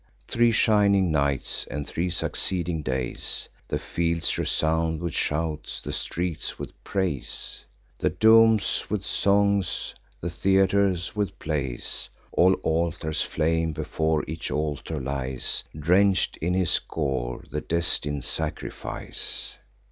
Three shining nights, and three succeeding days, The fields resound with shouts, the streets with praise, The domes with songs, the theatres with plays. All altars flame: before each altar lies, Drench'd in his gore, the destin'd sacrifice.